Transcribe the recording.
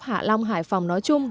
hạ long hải phòng nói chung